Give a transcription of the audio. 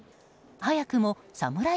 早くもサムライ